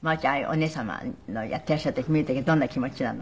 お姉様のやっていらっしゃる時見る時はどんな気持ちなの？